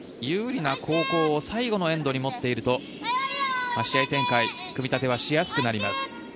有利な後攻を最後のエンドに持っていると試合展開組み立てはしやすくなります。